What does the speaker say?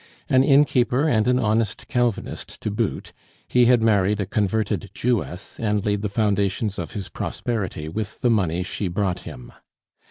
An innkeeper and an honest Calvinist to boot, he had married a converted Jewess and laid the foundations of his prosperity with the money she brought him.